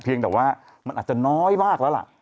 เพียงแต่ว่ามันอาจจะน้อยมากแล้วล่ะ